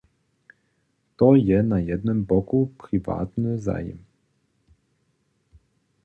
To je na jednym boku priwatny zajim.